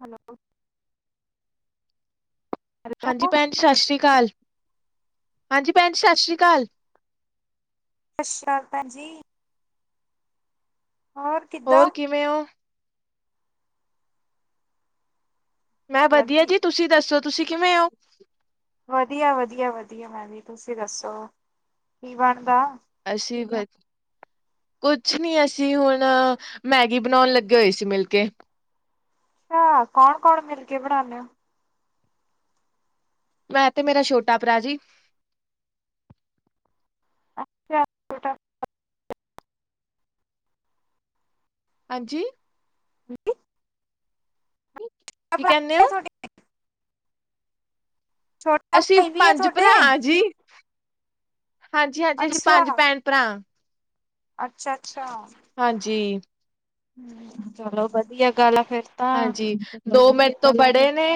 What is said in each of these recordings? Hello. ਹਾਂਜੀ hello ਭੈਣ ਸਤਿ ਸ਼੍ਰੀ ਅਕਾਲ। ਹਾਂਜੀ ਭੈਣ ਜੀ ਸਤਿ ਸ੍ਰੀ ਅਕਾਲ। ਸਤਿ ਸ੍ਰੀ ਅਕਾਲ ਭੈਣ ਜੀ। ਹੋਰ ਕਿਵੇਂ ਹੋ? ਮੈਂ ਵਧੀਆ ਵਧੀ ਜੀ ਤੁਸੀਂ ਦੱਸੋ ਤੁਸੀਂ ਕਿਵੇਂ ਹੋ ਵਧੀਆ ਵਧੀਆ ਵਧੀਆ ਮੈ ਜੀ ਤੁਸੀਂ ਦੱਸੋ ਕੀ ਬਣਦਾ ਅਸੀਂ ਵ ਕੁਛ ਨੀ ਅਸੀਂ ਹੁਣ ਮੈਗੀ ਬਣਾਉਣ ਲੱਗੇ ਹੋਏ ਸੀ ਮਿਲਕੇ ਅੱਛਾ ਕੌਣ ਕੌਣ ਮਿਲ ਕੇ ਬਣਾਉਦੇ ਆ ਮੈਂ ਤੇ ਮੇਰਾ ਛੋਟਾ ਭਰਾ ਜੀ ਅੱਛਾ ਹਾਂਜੀ [inaudible] ਕੀ ਕਹਿੰਦੇ ਹੋ ਤੁਹਾਡੇ ਛੋਟਾ ਅਸੀਂ ਭਾਈ ਵੀ ਹੈ ਪੰਜ ਤੁਹਾਡੇ ਭਰਾ ਜੀ ਹਾਂਜੀ ਹਾਂਜੀ ਅਸੀਂ ਅੱਛਾ ਪੰਜ ਭੈਣ ਭਰਾ ਅੱਛਾ ਅੱਛਾ ਹਾਂਜੀ। ਚਲੋ ਬਸ ਹਾਂਜੀ ਦੋ ਮਿੰਟ ਤੋਂ ਬੜੇ ਨੇ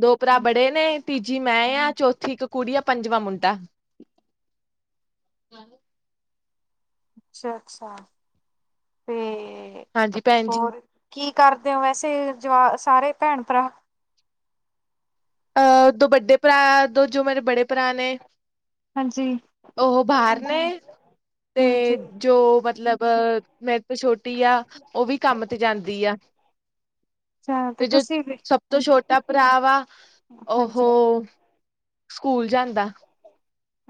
ਦੋ ਭਰਾ ਬੜੇ ਨੇ ਤੀਜੀ ਮੈਂ ਆ ਚੌਥੀ ਠੀਕ ਕੁੜੀੀਆਂ ਪੰਜਵਾਂ ਮੁੰਡਾ ਅੱਛਾ ਅੱਛਾ ਤੇ ਤੇ ਹਾਂਜੀ ਭੈਣ ਜੀ, ਹੋਰ ਕੀ ਕਰਦੇ ਹੋ ਵੈਸੇ ਜਵਾ ਸਾਰੇ ਭੈਣ ਭਰਾ ਅਹ ਦੋ ਵੱਡੇ ਭਰਾ ਦੋ ਜੋ ਮੇਰੇ ਬੜੇ ਭਰਾ ਨੇ ਹਾਂਜੀ ਉਹ ਬਾਹਰ ਨੇ ਤੇ ਹਾਂਜੀ ਜੋ ਮਤਲਬ ਮੇਰੇ ਤੋਂ ਛੋਟੀ ਆ ਉਹ ਵੀ ਕੰਮ ਤੇ ਜਾਂਦੀ ਆ ਅੱਛਾ ਤੇ ਜੋ ਤੁਸੀਂ ਵੀ ਸਭ ਤੋਂ ਛੋਟਾ ਭਰਾ ਵਾ। ਹਾਂਜੀ ਉਹ ਸਕੂਲ ਜਾਂਦਾ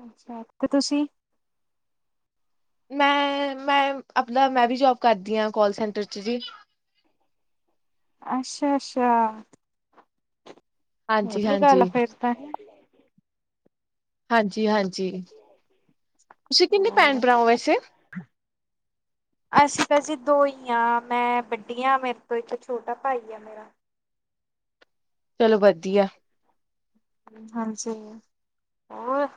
ਅੱਛਾ ਤੇ ਤੁਸੀਂ ਮੈਂ ਮੈਂ ਆਪਣਾ ਮੈਂ ਵੀ ਜੋਬ ਕਰਦੀ ਹਾਂ ਕੋਾਲ ਸੈਂਟਰ ਚ ਜੀ [inaudible] ਅੱਛਾ ਅੱਛਾ ਹਾਂਜੀ ਵਧੀ ਗੱਲ ਆ ਹਾਂਜੀ ਫੇਰ ਤਾਂ ਹਾਂਜੀ ਹਾਂਜੀ ਤੁਸੀਂ ਕਿੰਨੇ ਭੈਣ ਭਰਾਓ ਵੈਸੇ [inaudible] ਅੱਸੀਂ ਭਾਜੀ ਦੋ ਹੀ ਹਾਂ ਮੈਂ ਵੱਡੀ ਹਾਂ ਮੇਰੇ ਤੋਂ ਇੱਕ ਛੋਟਾ ਭਾਈ ਆ ਮੇਰਾ ਚਲੋ ਵਧੀਆ ਹਾਂਜੀ ਹੋਰ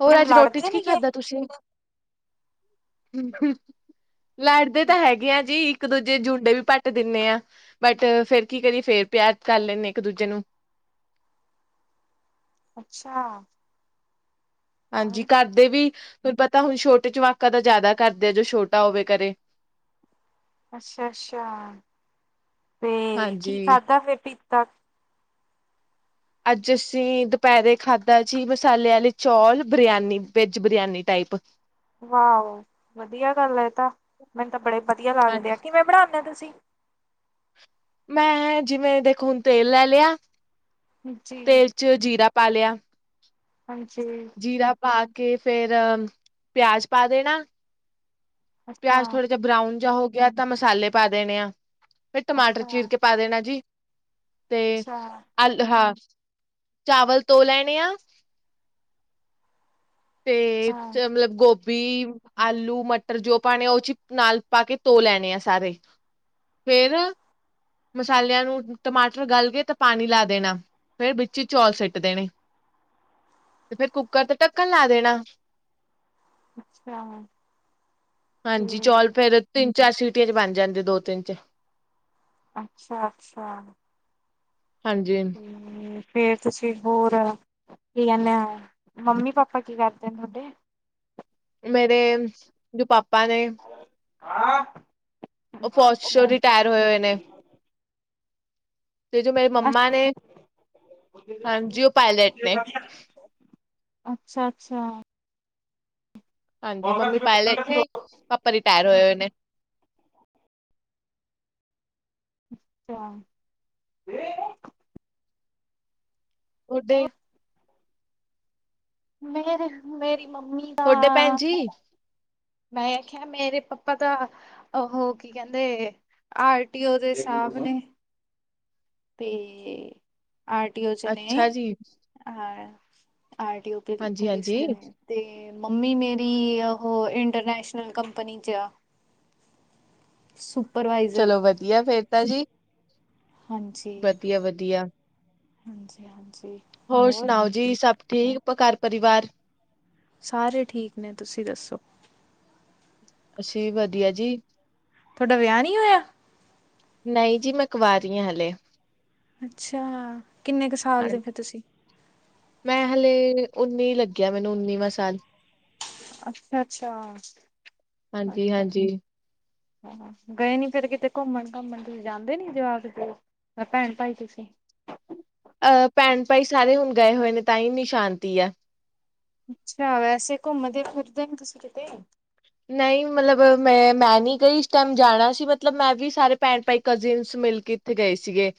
ਹੋਰ ਅੱਜ ਰੋਟੀ ਚ ਲੜਦੇ ਕੀ ਨੀ ਗੇ ਖਾਧਾ ਤੁਸੀਂ ਹ ਲੜਦੇ ਤਾਂ ਹੈਗੇ ਆ ਜੀ ਇੱਕ ਦੂਜੇ ਜੁੰਡੇ ਵੀ ਭੱਟ ਦਿੰਦੇ ਆ ਬਟ ਫੇਰ ਕੀ ਕਰੀਏ ਫੇਰ ਪਿਆਰ ਕਰ ਲੈਂਦੇ ਇੱਕ ਦੂਜੇ ਨੂੰ [inaudible] ਅੱਛਾ ਹਾਂਜੀ ਘਰਦੇ ਵੀ ਹੁਣ ਪਤਾ ਹੁਣ ਛੋਟੇ ਚਮਾਕ ਤਾਂ ਜ਼ਿਆਦਾ ਕਰਦੇ ਆ ਜੋ ਛੋਟਾ ਹੋਵੇ ਅੱਛਾ ਅੱਛਾ ਤੇ ਕੀ ਹਾਂਜੀ। ਖਾਧਾ ਫਿਰ ਪੀਤਾ ਅੱਜ ਅਸੀਂ ਦੁਪਹਿਰੇ ਖਾਧਾ ਜੀ ਮਸਾਲੇ ਵਾਲੀ ਚੌਲ ਬਰਿਆਨੀ ਵੇਜ ਬਰਿਆਨੀ ਟਾਈ [inaudible] ਵਾਓ ਵਧੀਆ ਗੱਲ ਏ ਤਾਂ ਮੈਨੂੰ ਤਾਂ ਬੜੇ ਵਧੀਆ ਲੱਗਦੇ ਆ ਹਾਂਜੀ। ਕਿਵੇਂ ਬਣਾਉਦੇ ਤੁਸੀਂ ਮੈਂ ਜਿਵੇਂ ਦੇਖੋ ਹੁਣ ਤੇਲ ਲੈ ਲਿਆ ਜੀ ਤੇਲ ਚ ਜੀਰਾ ਪਾ ਲਿਆ ਹਾਂਜੀ ਜੀਰਾ ਪਾ ਕੇ ਫੇਰ ਪਿਆਜ ਪਾ ਦੇਣਾ ਪਿਆਜ ਅੱਛਾ-ਅੱਛਾ-ਅੱਛਾ-ਅੱਛਾ। ਥੋੜ੍ਹਾ ਜਿਹਾ ਬਰਾਊਨ ਹੋਗੇ ਤਾਂ ਮਸਾਲੇ ਪਾ ਦੇਣੇ ਆ ਫਿਰ ਟਮਾਟਰ ਚੀਰ ਕੇ ਪਾ ਦੇਣਾ ਜੀ ਤੇ ਅਲ ਹਾਂ, ਚਾਵਲ ਧੋ ਲੈਣੇ ਆ। ਤੇ ਮਤਲਬ ਗੋਭ ਬੀ ਆਲੂ ਮਟਰ ਜੋ ਪਾਣੇ ਆ ਉਹ ਚੀ ਨਾਲ ਪਾ ਕੇ ਧੋ ਲੈਣੇ ਆ ਸਾਰੇ, ਫੇਰ ਮਸਾਲਿਆਂ ਨੂੰ ਟਮਾਟਰ ਗਲ ਗੇ ਤਾਂ ਪਾਣੀ ਲਾ ਦੇਣਾ। ਫੇਰ ਵਿੱਚ ਚੌਲ ਸਿੱਟ ਦੇਣੇ, ਤੇ ਫੇਰ ਕੁੱਕਰ ਤੇ ਢੱਕ ਕਲ ਲਾ ਦੇਣਾ, ਅੱਛਾ, ਹਾਂਜੀ, ਚੌਲ ਫਿਰ ਤਿੰਨ ਚਾਰ ਸੀਟੀਆਂ ਚ ਬਣ ਜਾਂਦੇ ਦੋ ਤਿੰਨ ਚ ਅੱਛਾ-ਅੱਛਾ, ਹਾਂਜੀ ਹੂੰ, ਫੇਰ ਤੁਸੀਂ ਹੋਰ ਕੀ ਕਹਿੰਨੇ ਆ ਮੰਮੀ ਪਾਪਾ ਕੀ ਕਰਦੇ ਨੇ ਤੁਹਾਡੇ? ਮੇਰੇ ਜੋ ਪਾਪਾ ਨੇ, ਆਂ, ਉਹ ਫੌਜ ਚੋਂ ਰਿਟਾਇਰ ਹੋਏ-ਹੋਏ ਨੇ, ਤੇ ਜੋ ਮੇਰੀ ਮੰਮਾ ਨੇ, ਹਾਂਜੀ ਉਹ ਪਾਇਲਟ ਨੇ ਅੱਛਾ-ਅੱਛਾ, ਹਾਂਜੀ, ਮੰਮੀ ਪਾਇਲਟ ਹੈ ਪਾਪਾ ਰਿਟਾਇਰ ਹੋਏ-ਹੋਏ ਨੇ, ਅੱਛਾ ਵੇ, ਥੋਡੇ ਮੇਰੇ-ਮੇਰੀ ਮੰਮੀ ਦਾ, ਤੁਹਾਡੇ ਭੈਣ ਜੀ ਮੈਂ ਆਖਿਆ ਮੇਰੇ ਪਾਪਾ ਤਾਂ ਉਹ ਕੀ ਕਹਿੰਦੇ ਆਰਟੀਓ ਦੇ ਸਾਬ ਨੇ [inaudible] ਤੇ, ਆਰਟੀਓ ਚ ਨੇ ਅੱਛਾ ਜੀ। ਹ ਆਰ ਓ ਪੁਲਿਸ ਚ ਹਾਂਜੀ-ਹਾਂਜੀ। ਨੇ ਤੇ, ਮੰਮੀ ਮੇਰੀ ਉਹ ਇੰਟਰਨੈਸ਼ਨਲ ਕੰਪਨੀ ਚ ਆ। ਸਪ ਚਲੋ ਵਧੀਆ ਫੇਰ ਤਾਂ ਜੀ, ਵਧੀਆ-ਵਧੀਆ, ਹਾਂਜੀ-ਹਾਂਜੀ, ਹੋਰ ਸੁਣਾਓ? ਜੀ ਸਭ ਠੀਕ ਘਰ ਪਰਿਵਾਰ? ਸਾਰੇ ਠੀਕ ਨੇ, ਤੁਸੀਂ ਦੱਸੋ? ਅਸੀਂ ਵਧੀਆ ਜੀ, ਤੁਹਾਡਾ ਵਿਆਹ ਨਹੀਂ ਹੋਇਆ? ਨਹੀਂ ਜੀ ਮੈਂ ਕਵਾਰੀ ਆਂ ਹਲੇ, ਅੱਛਾ, ਕਿੰਨੇ ਕੁ ਸਾਲ ਦੇ ਹਾਂਜੀ ਫਿਰ ਤੁਸੀਂ? ਮੈਂ ਹਲੇ ਉੱਨੀ ਲੱਗਿਆ ਮੈਨੂੰ ਉੱਨੀਵਾਂ ਸਾਲ, ਅੱਛਾ-ਅੱਛਾ, ਹਾਂਜੀ-ਹਾਂਜੀ, ਗਏ ਨੀ ਫਿਰ ਕਿਤੇ ਘੁੰਮਣ ਘਾਮਣ ਤੁਸੀਂ ਜਾਂਦੇ ਨੀ ਜਵਾਕ? ਮੈਂ ਭੈਣ ਭਾਈ ਤੁਸੀਂ? ਅਹ ਭੈਣ ਭਾਈ ਸਾਰੇ ਹੁਣ ਗਏ, ਹੋਏ ਨੇ ਤਾਂ ਹੀ ਐਨੀ ਨਿਸ਼ਾਂਤੀ ਹੈ। ਅੱਛਾ, ਵੈਸੇ ਘੁੰਮਦੇ ਫਿਰਦੇ ਨੇ ਤੁਸੀਂ ਕਿਤੇ? ਨਹੀਂ ਮਤਲਬ ਮੈਂ-ਮੈਂ ਨੀ ਕਈ ਇਸ ਟਾਈਮ ਜਾਣਾ ਸੀ, ਮਤਲਬ ਮੈਂ ਵੀ ਸਾਰੇ ਭੈਣ ਭਾਈ ਕਜ਼ਨ ਮਿਲ ਕੇ ਇੱਥੇ ਗਏ ਸੀਗੇ।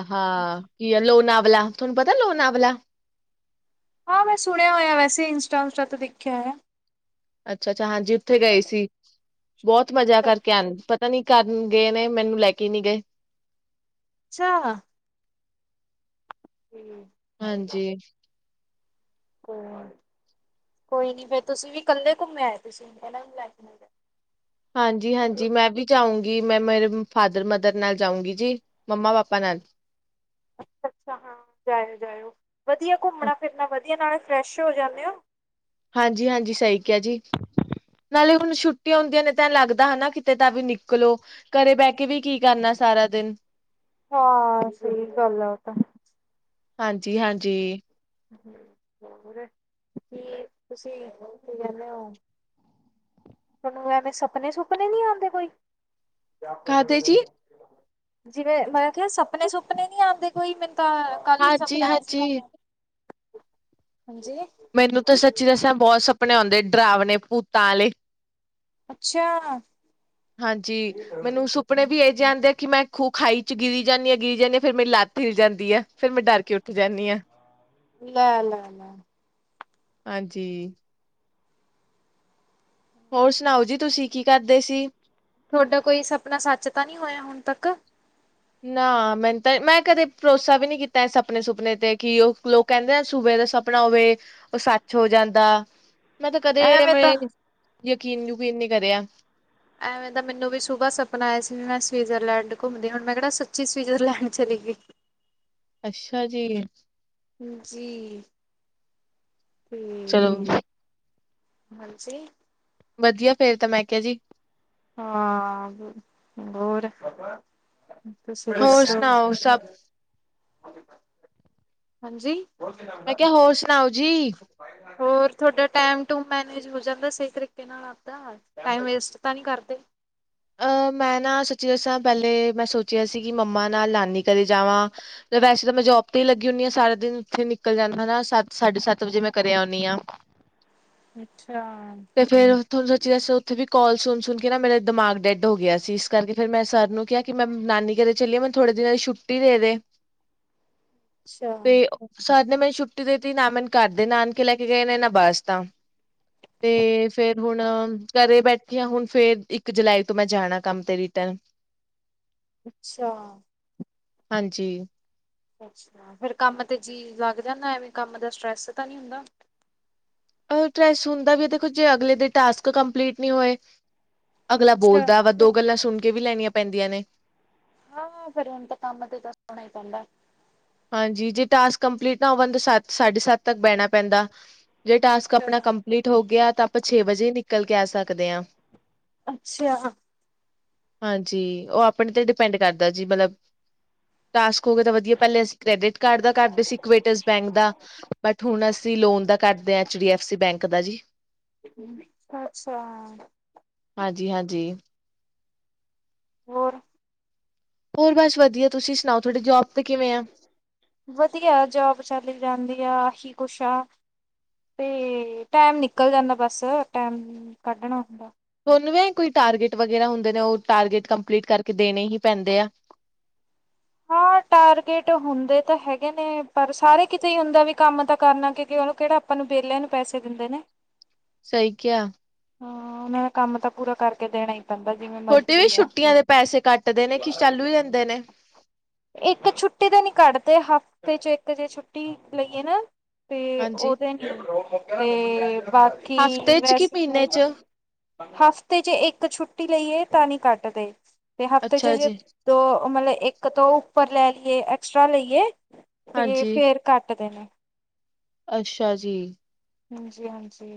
ਆਹੋ ਕੀ ਆ ਲੋਨਾਵਲਾ ਤੁਹਾਨੂੰ ਪਤਾ ਲੋਨਾਵਲਾ, ਹਾਂ ਮੈਂ ਸੁਣਿਆ ਹੋਇਆ, ਵੈਸੇ ਹੀ ਇੰਸਟਾ ਉੰਸਟਾ ਤੋਂ ਦੇਖਿਆ ਹੈ। ਅੱਛਾ-ਅੱਛਾ, ਹਾਂਜੀ ਉੱਥੇ ਗਏ ਸੀ ਬਹੁਤ ਮਜਾ ਕਰਕੇ ਆ ਪਤਾ ਨੀ ਕਰ ਗਏ ਨੇ ਮੈਨੂੰ ਲੈ ਕੇ ਨੀ ਗਏ। ਅੱਛਾ, ਹੂ ਹਾਂਜੀ ਹੋਰ ਕੋਈ ਨੀ ਫੇਰ ਤੁਸੀਂ ਵੀ ਇਕੱਲੇ ਘੁੰਮਿਆ ਆਏ ਤੁਸੀਂਹ ਲ ਹਾਂਜੀ ਹਾਂਜੀ ਮੈਂ ਵੀ ਜਾਊਂਗੀ, ਮੈਂ ਮੇਰੇ ਫਾਦਰ ਮਦਰ ਨਾਲ ਜਾਊਂਗੀ ਜੀ ਮੰਮਾ ਪਾਪਾ ਨਾਲ। ਹੈ ਨ ਅੱਛਾ ਅੱਛਾ ਹਾਂ ਜਾਇਓ ਜਾਇਓ, ਵਧੀਆ ਘੁੰਮਣਾ ਫਿਰਨਾ ਵਧੀਆ ਨਾਲ ਫਰੈਸ਼ ਹੋ ਜਾਂਨੇ ਆਂ ਹਾਂਜੀ ਹਾਂਜੀ ਸਹੀ ਕਿਹਾ ਜੀ ਨਾਲੇ ਹੁਣ ਛੁੱਟੀਆਂ ਹੁੰਦੀਆਂ ਨੇ, ਤਾ ਲੱਗਦਾ ਹੈਨਾ, ਕਿਤੇ ਤਾਂ ਵੀ ਨਿਕਲੋ, ਘਰੇ ਬਹਿਠ ਕੇ ਵੀ ਕੀ ਕਰਨਾ ਸਾਰਾ ਦਿਨ ਹਾਂ ਸਹੀ ਗੱਲ ਹਾਂਜੀ, ਹਾਂਜੀ ਹੂ ਰੇ ਕੀ ਤੁਸੀਂ ਕੀ ਕਹਿੰਨੇ ਔ ਤੁਨੂੰ ਐਵੇਂ ਸਪਨੇ ਸੁਪਨ ਨਹੀਂ ਆਉਂਦੇ ਕੋਈ ਕਾਹਦੇ ਜੀ ਜਿਵੇਂ ਮੈਂ ਕਿਹਾ ਸਪਨੇ ਸੁਪਨੇ ਨੀ ਆਉਂਦੇ ਕੋਈ ਮੈਨੂੰ ਤਾਂ ਕੱਲ ਹੀ ਹਾਂਜੀ, ਸੁਪਨਾ ਆਇਆ ਸੀ ਹਾਂਜੀ ਹਾਂਜੀ ਮੈਨੂੰ ਤਾਂ ਸੱਚੀ ਦੱਸਿਆ ਬਹੁਤ ਸੁਪਨੇ ਆਉਂਦੇ, ਡਰਾਵਣੇ ਭੂਤਾਂ ਵਾਲੇ। ਅੱਛਾ ਹਾਂਜੀ ਮੈਨੂੰ ਸੁਪਨੇ ਵੀ ਇਹ ਜਾਣਦੇ ਆ ਕਿ ਮੈਂ ਖੂਹ ਖਾਈ ਚ ਗਿਰੀ ਜਾਂਦੀ ਹ ਗਿਰੀ ਜਾਂਦੀ ਹਾਂ, ਫਿਰ ਮੇਰੀ ਲੱਤ ਫਿਰ ਜਾਂਦੀ ਆ, ਫਿਰ ਮੈਂ ਡਰ ਕੇ ਉੱਠ ਜਾਂਦੀ ਹਾਂ। ਲੈ ਲੈ ਲੈ ਹਾਂਜੀ ਹੋਰ ਸੁਣਾਓ ਜੀ ਤੁਸੀਂ, ਕੀ ਕਰਦੇ ਸੀ ਤੁਹਾਡਾ ਕੋਈ ਸਪਨਾ ਸੱਚ ਤਾਂ ਨਹੀਂ ਹੋਇਆ, ਹੁਣ ਤੱਕ ਨਾ ਮੈਨੂੰ ਤਾਂ ਮੈਂ ਕਦੇ ਭਰੋਸਾ ਵੀ ਨੀ ਕੀਤਾ, ਇਸ ਸਪਣੇ ਸੁਪਨੇ ਤੇ ਕਿ ਉਹ ਲੋਕ ਕਹਿੰਦੇ ਨੇ ਸੂਬੇ ਦਾ ਸਪਨਾ ਹੋਵੇ, ਉਹ ਸੱਚ ਹੋ ਜਾਂਦਾ ਮੈਂ ਤਾਂ ਕਦੇ ਐਵੇਂ ਮ ਤਾਂ ਯਕੀਨ, ਯਕੀਨ ਨਹੀਂ ਕਰਿਆ ਐਵੇਂ ਦਾ ਮੈਨੂੰ ਵੀ ਸੁੂਬਾ ਸਪਨਾ ਆਇਆ ਸੀ ਵੀ ਮੈਂ ਸਵਿਜਰਲੈਂਡ ਘੁੰਮਦੀ ਹੁਣ, ਮੈਂ ਕਿਹੜਾ ਸੱਚੀ ਸਵਿਜਰਲੈਂਡ ਚਲੀ ਗਈ। ਅੱਛਾ ਜੀ ਜੀ ਚਲੋ ਤੇ ਹਾਂਜੀ ਵਧੀਆ ਫੇਰ ਤਾਂ, ਮੈਂ ਕਿਹਾ ਜੀ ਹਾਂ, ਹੋਰ ਤੁਸੀਂ ਹੋਰ ਦੱਸੋ, ਸੁਣਾਓ ਸਭ ਹਾਂਜੀ ਮੈਂ ਕਿਹਾ ਹੋਰ ਸੁਣਾਓ ਜੀ ਹੋਰ ਤੁਹਾਡਾ ਟਾਈਮ ਟੂ ਮੈਨੇਜ ਹੋ ਜਾਂਦਾ ਸਹੀ ਤਰੀਕੇ ਨਾਲ ਆਪਦਾ, ਟਾਈਮ ਵੇਸਟ ਤਾਂ ਨਹੀਂ ਕਰਦਾ। [unintelligible] ਆਹ ਮੈਂ ਨਾ ਸੱਚੀ ਦੱਸਾਂ ਪਹਿਲੇ ਮੈਂ ਸੋਚਿਆ ਸੀ ਕਿ ਮੰਮਾ ਨਾਲ ਨਾਨੀ ਕਦੇ ਜਾਵਾਂ, ਵੈਸੇ ਤਾਂ ਮੈਂ ਜੋਬ ਤੇ ਹੀ ਲੱਗੀ ਹੁੰਦੀ ਹਾਂ, ਸਾਰਾ ਦਿਨ ਉੱਥੇ ਨਿਕਲ ਜਾਂਦਾ ਨਾਂ, ਸੱਤ ਸਾਡੇ ਸੱਤ ਵਜੇ ਮੈਂ ਕਰਰੇ ਆਉਂਣੀ ਹਾਂ। [inaudible] ਅੱਛਾ। ਤੇ ਫੇਰ ਤੁਹਾਨੂੰ ਸੱਚੀ ਦੱਸੋ ਉੱਥੇ ਵੀ ਕਾਲ ਸੁਣ ਸੁਣ ਕੇ ਨਾ ਮੇਰੇ ਦਿਮਾਗ ਡੈਡ ਹੋ ਗਿਆ ਸੀ ਇਸ ਕਰਕੇ ਫਿਰ ਮੈਂ ਸਰ ਨੂੰ ਕਿਹਾ, ਕਿ ਮੈਂ ਨਾਨੀ ਕਦੇ ਚੱਲੀਏ ਮੈਨੂੰ ਥੋੜੇ ਦਿਨਾਂ ਦੀ ਛੁੱਟੀ ਦੇ ਅੱਛਾ ਤੇ ਸਾਰੇ ਨਾ ਮੈਨੂ ਛੁੱਟੀ ਦੇਤੀ, ਨਾ ਮੈਨੂੰ ਘਰ ਦੇ ਨਾ ਆਣ ਕੇ ਲੈ ਕੇ ਗਏ ਨੇ, ਨਾ ਬੱਸ ਤਾਂ ਤੇ ਫੇਰ ਹੁਣ ਘਰੇ ਬੈਠੇ ਆ ਹੁਣ ਫੇਰ ਇੱਕ ਜੁਲਾਈ ਤੂੰ ਮੈਂ ਜਾਣਾ ਕੰਮ ਤੇ ਅੱਛਾ। ਹਾਂਜੀ। ਅੱਛ ਫਿਰ ਕੰਮ ਤੇ ਜੀ ਲੱਗ ਜਾਂਦਾ ਐਵੇ ਕੰਮ ਦਾ ਸਟਰ੍ਰੈਸ ਤਾਂ ਨਹੀਂ ਹੁੰਦਾ? ਅਗਲੇ ਟਾਸਕ ਕੰਪਲੀਟ ਨੀ ਹੋਏ। ਅਗਲਾ ਅੱਛਾ ਬੋਲਦਾ ਵਾ ਦੋ ਗੱਲਾਂ ਸੁਣ ਕੇ ਵੀ ਲੈਣੀਆਂ ਪੈਂਦੀਆਂ ਨੇ ਹਾਂ ਫਿਰ ਹੁਣ ਤਾਂ ਕੰਮ ਤੇ ਤਾਂ ਸਣਾ ਹੀ ਪੈਂਦਾ ਹਾਂਜੀ ਜੇ ਟਾਸਕ ਕੰਪਲੀਟ ਨਾ ਹੋਵਣ ਸੱਤ ਸਾਢੇ ਸੱਤ ਤੱਕ ਬਹਿਣਾ ਪੈਂਦਾ ਜੇ ਟਾਸਕ ਅੱਛਾ। ਆਪਣਾ ਕੰਪਲੀਟ ਹੋ ਗਿਆ ਤਾਂ ਆਪਾਂ ਛੇ ਵਜੇ ਨਿਕਲ ਕੇ ਆ ਸਕਦੇ ਆ। ਅੱਛਾ। ਹਾਂਜੀ ਉਹ ਆਪਣੇ ਤੇ ਡਿਪੈਂਡ ਕਰਦਾ ਜੀ ਮਤਲਬ ਟਾਸਕ ਹੋ ਗਏ ਤਾਂ ਵਧੀਆ ਪਹਿਲੇ ਅਸੀਂ ਕ੍ਰੈਡਿਟ ਕਾਰਡ ਦਾ ਕਰਦੇ ਸੀ ਇਕੁਟਸ ਬੈਂਕ ਦਾ ਬਟ ਹੁਣ ਅਸੀਂ ਲੋਨ ਦਾ ਕਰਦੇ ਹਾਂ H D F C bank ਦਾ ਜੀ। ਅੱਛਾ। ਹਾਂਜੀ-ਹਾਂਜੀ ਹੋਰ ਹੋਰ ਬਸ ਵਧੀਆ ਤੁਸੀਂ ਸੁਣਾਓ ਤੁਹਾਡੇ ਜੋਬ ਤੇ ਕਿਵੇਂ ਆ ਵਧੀਆ ਜੋਬ ਚੱਲ ਜਾਂਦੀ ਆ ਆਹੀ ਕੁੁਸ਼ਾ ਅਤੇ ਟਾਈਮ ਨਿਕਲ ਜਾਂਦਾ ਬਸ ਟਾਈਮ ਕੱਢਣਾ ਹੁੰਦਾ ਨ ਕੋਈ ਟਾਰਗੇਟ ਵਗੈਰਾ ਹੁੰਦੇ ਨੇ ਉਹ ਟਾਰਗੇਟ ਕੰਪਲੀਟ ਕਰਕੇ ਦੇਣੇ ਹੀ ਪੈਂਦੇ ਆ [inaudible] ਹਾਂ ਟਾਰਗੇਟ ਹੁੰਦੇ ਤਾਂ ਹੈਗੇ ਨੇ, ਪਰ ਸਾਰੇ ਕਿਤੇ ਹੁੰਦਾ ਵੀ ਕੰਮ ਤਾਂ ਕਰਨਾ, ਕਿਉਂਕਿ ਉਹਨੂੰ ਕਿਹੜਾ ਆਪਾਂ ਨੂੰ ਵਿਹਲਿਆਂ ਨੂੰ ਪੈਸੇ ਦਿੰਦੇ ਨੇ ਕਿਆ ਹਾਂ ਮੇ ਕੰਮ ਤਾਂ ਪੂਰਾ ਕਰਕੇ ਦੇਣਾ ਪੈਂਦਾ ਜਿਵੇਂ ਤੁਹਾਡੀ ਵੀ ਮਰਜ਼ੀ ਆ। ਛੁੱਟੀਆਂ ਦੇ ਪੈਸੇ ਕੱਟਦੇ ਨੇ ਖ ਚਾਲੂ ਦਿੰਦੇ ਨੇ ਇੱਕ ਛੁੱਟੀ ਤਾਂ ਨਹੀਂ ਕੱਢਦੇ ਹਫ਼ਤੇ ਚ ਇੱਕ ਜੇ ਛੁੱਟੀ ਲਈਏ ਨਾ ਤੇ ਹਾਂਜੀ ਉਹਦੇ ਨ ਤੇ ਬਾਕੀ ਵੈਸੇ ਕਿੰਨੇ ਚ? ਹਫ਼ਤੇ ਜੇ ਇੱਕ ਛੁੱਟੀ ਲਈਏ ਤਾਂ ਨਹੀਂ ਕੱਟਦੇ ਤੇ ਹਫ਼ਤੇ ਚ ਅੱਛਾ ਜੇ ਜੀ ਦੋ ਮਤਲਬ ਇੱਕ ਤੋਂ ਉੱਪਰ ਲੈ ਲਈਏ ਐਕਸਟ੍ਰਰਾ ਲਈਏ ਤੇ ਹਾਂਜੀ ਫੇਰ ਕੱਟ ਦੇ ਨੇ। ਅੱਛਾ ਜੀ। ਹਾਂਜੀ-ਹਾਂਜੀ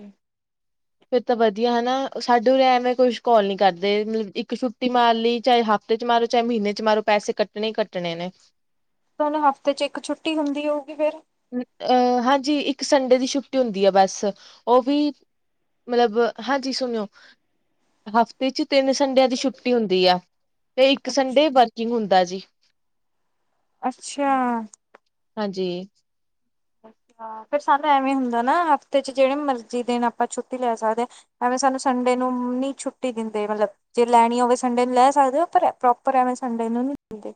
ਫੇਿਰ ਤਾਂ ਵਧੀਆ ਹਨਾ ਸਾਡੇ ਐਵੇਂ ਕੁਛ ਕਲ ਨੀ ਕਰਦੇ ਮਤਲਬ ਇੱਕ ਛੁੱਟੀ ਮਾਰ ਲਈ ਚਾਹੇ ਹ ਹਫ਼ਤੇ ਚ ਮਾਰੋ ਚਾਹੇ ਮਹੀਨੇ ਚ ਮਾਰੋ ਪੈਸੇ ਕੱਟਣੇ ਹੀ ਕੱਟਣੇ ਨੇ ਤੁਾਨੂੰ ਹਫ਼ਤੇ ਚ ਇੱਕ ਛੁੱਟੀ ਹੁੰਦੀ ਹੋਊਗੀ ਫੇਰ ਅਹ ਹਾਂਜੀ ਇੱਕ ਸੰਡੇ ਦੀ ਛੁੱਟੀ ਹੁੰਦੀ ਆ ਬਸ ਉਹ ਵੀ ਮਤਲਬ ਹਾਂਜੀ ਸੁਣਿਓ ਹਫ਼ਤੇ ਚ ਤਿੰਨ ਸੰਡਿਆਂ ਦੀ ਛੁੱਟੀ ਹੁੰਦੀ ਆ ਤੇ ਇੱਕ ਸੰਡੇ ਵਰਕਿੰਗ ਹੁੰਦਾ ਜੀ ਅੱਛਾ ਹਾਂਜੀ ਅੱ ਫਿਰ ਸਾਨੂੰ ਐਵੇਂ ਹੁੰਦਾ ਨਾ ਹਫ਼ਤੇ ਚ ਜਿਹੜੇ ਮਰਜ਼ੀ ਦਿਨ ਆਪਾਂ ਛੁੱਟੀ ਲੈ ਸਕਦੇ ਹਾਂ ਐਵੇਂ ਸਾਨੂੰ ਸੰਡੇ ਨੂੰ ਨਹੀਂ ਛੁੱਟੀ ਦਿੰਦੇ ਮਤਲਬ ਜੇ ਲੈਣੀ ਹੋਵੇ ਸੰਡੇ ਨੂੰ ਲੈ ਸਕਦੇ ਹੋ ਪਰ ਪ੍ਰੋਪਰ ਐਵੇਂ ਸੰਡੇ ਸੰਡੇ ਨੂੰ ਨੀ ਦਿੰਦੇ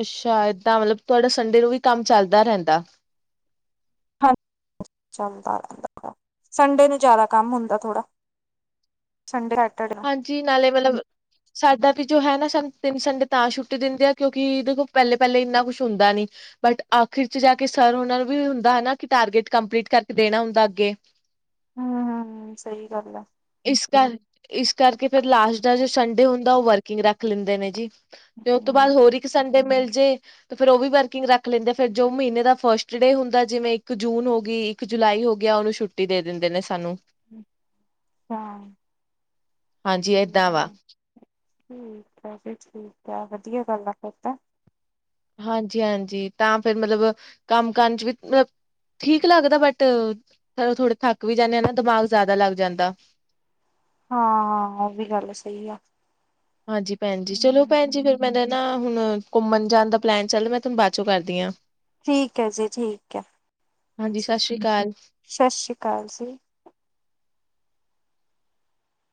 ਅੱਛਾ ਏਦਾਂ ਮਤਲਬ ਤੁਹਾਡਾ ਸੰਡੇ ਨੂੰ ਵੀ ਕੰਮ ਚੱਲਦਾ ਰਹਿੰਦਾ ਚੱਲਦਾ ਰਹਿੰਦਾ, ਸੰਡੇ ਨੂੰ ਜ਼ਿਆਦਾ ਕੰਮ ਹੁੰਦਾ ਥੋੜਾ ਸੰਡੇ ਸੈਟਰਡੇ ਨੂੰ ਹਾਂਜੀ, ਨਾਲੇ ਮਤਲਬ ਸਾਡਾ ਵੀ ਜੋ ਹੈ ਨਾ ਸਮਝ ਤਿੰਨ ਸੰਡੇ ਤਾਂ ਛੁੱਟੀ ਦਿੰਦੇ ਆ, ਕਿਉਂਕਿ ਦੇਖੋ ਪਹਿਲੇ-ਪਹਿਲੇ ਇੰਨਾ ਕੁਛ ਹੁੰਦਾ ਨੀ, ਬਟ ਆਖਿਰ ਚ ਜਾ ਕੇ ਸਰ ਉਹਨਾਂ ਨੂੰ ਵੀ ਹੁੰਦਾ ਹੈ ਨਾ ਕਿ, ਟਾਰਗੇਟ ਕੰਪਲੀਟ ਕਰਕੇ ਦੇਣਾ ਹੁੰਦਾ ਅੱਗੇ ਹਮ-ਹਮ। ਸਹੀ ਗੱਲ ਆ ਇਸ ਕਰ ਇਸ ਕਰਕੇ, ਫਿਰ ਲਾਸਟ ਦਾ ਜੋ ਸੰਡੇ ਹੁੰਦਾ, ਉਹ ਵਰਕਿੰਗ ਰੱਖ ਲੈਂਦੇ ਨੇ ਜੀ ਤੇ ਉਸ ਤੋਂ ਬਾਅਦ ਅੱਛਾ ਹੋਰ ਇੱਕ ਸੰਡੇ ਮਿਲ ਫਿਰ ਉਹ ਵੀ ਵਰਕਿੰਗ ਰੱਖ ਲੈਂਦੇ, ਫੇਰ ਜੋ ਮਹੀਨੇ ਦਾ ਫਸਟ ਡੇ ਹੁੰਦਾ, ਜਿਵੇਂ ਇੱਕ ਜੂਨ ਹੋ ਗਈ ਇੱਕ ਜੁਲਾਈ ਹੋ ਗਿਆ, ਉਹਨੂੰ ਛੁੱਟੀ ਦੇ ਦਿੰਦੇ ਨੇ ਸਾਨੂੰ ਹਾਂ ਹਾਂਜੀ ਠੀਕ ਏਦਾਂ ਵਾ ਹੈ ਜੀ ਠੀਕ ਆ, ਵਧੀਆ ਗੱਲ ਆ ਫਿਰ ਤਾਂ ਹਾਂਜੀ-ਹਾਂਜੀ, ਤਾਂ ਫਿਰ ਮਤਲਬ ਕੰਮ ਕਰਨ ਚ ਵੀਤ ਠੀਕ ਲੱਗਦਾ ਬਟ, ਥੋੜੇ ਥੱਕ ਵੀ ਜਾਂਦੇ ਆ ਨਾ, ਦਿਮਾਗ ਜ਼ਿਆਦਾ ਲੱਗ ਜਾਂਦਾ [unintelligible] ਹਾਂ, ਉਹ ਵੀ ਗੱਲ ਸਹੀ ਆ ਹਾਂਜੀ, ਭੈਣ ਜੀ ਚਲੋ ਭੈਣ ਜੀ, ਫੇਰ ਮੈਂਨੇ ਨਾ ਹੁਣ ਘੁੰਮਣ ਜਾਣ ਦਾ ਪਲੈਨ ਚੱਲ ਰਿਹਾ, ਮੈਂ ਤੁਹਾਨੂੰ ਬਾਅਦ ਚੋਂ ਕਰਦੀ ਹਾਂ ਠੀਕ ਹੈ ਜੀ, ਠੀਕ ਹੈ, ਹਾਂਜੀ ਸਤਿ ਸ੍ਰੀ ਅਕਾਲ ਸਤਿ ਸ੍ਰੀ ਅਕਾਲ ਜੀ